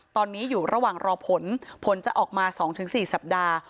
ตอนนี้อยู่ระหว่างรอผลผลจะออกมา๒๔สัปดาห์